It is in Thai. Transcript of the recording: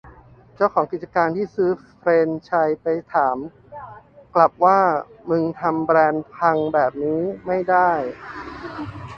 เจ้าของกิจการที่ซื้อแฟรนไซส์ไปถามกลับว่ามึงทำแบรนด์พังแบบนี้ไม่ได้